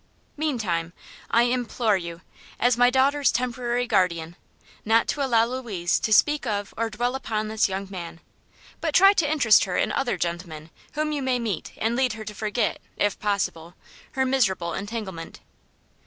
Meantime, I implore you, as my daughter's temporary guardian, not to allow Louise to speak of or dwell upon this young man, but try to interest her in other gentlemen whom you may meet and lead her to forget, if possible, her miserable entanglement.